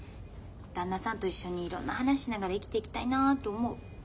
旦那さんと一緒にいろんな話しながら生きていきたいなと思う。